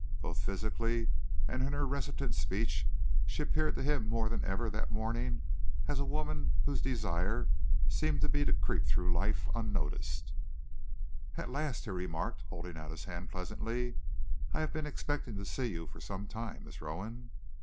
Both physically and in her reticent speech she appealed to him more than ever that morning as a woman whose desire seemed to be to creep through life unnoticed. "At last!" he remarked, holding out his hand pleasantly. "I have been expecting to see you for some time, Miss Rowan."